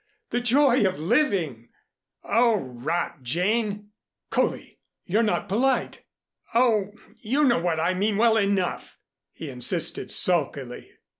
"The joy of living " "Oh, rot, Jane!" "Coley! You're not polite!" "Oh, you know what I mean well enough," he insisted sulkily.